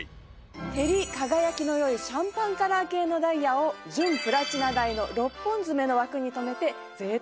照り輝きの良いシャンパンカラー系のダイヤを純プラチナ台の６本爪の枠に留めて贅沢に仕上げました。